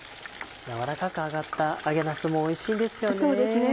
軟らかく揚がった揚げなすもおいしいですよね。